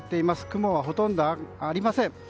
雲はほとんどありません。